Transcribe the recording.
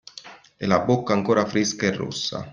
E la bocca ancora fresca e rossa.